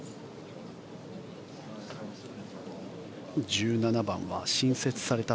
１７番は新設された